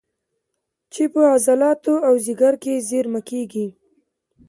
چې په عضلاتو او ځیګر کې زېرمه کېږي